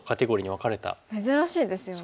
珍しいですよね。